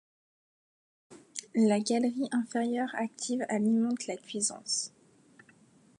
La galerie inférieure, active, alimente la Cuisance.